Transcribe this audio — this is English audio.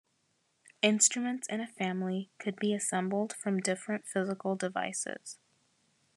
Instruments in a Family could be assembled from different physical devices.